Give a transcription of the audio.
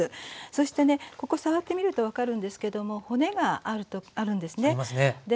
そしてねここ触ってみると分かるんですけども骨があるんですね。ありますね。